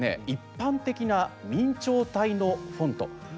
一般的な明朝体のフォント。